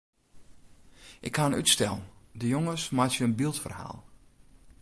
Ik ha in útstel: de jonges meitsje in byldferhaal.